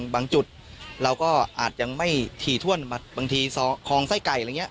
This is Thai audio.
บางจุดเราก็อาจยังไม่ถี่ถ้วนบางทีคลองไส้ไก่อะไรอย่างนี้